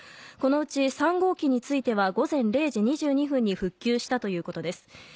このうち３号機については午前０時２２分に復旧したということです。